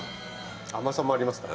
甘さもありますから。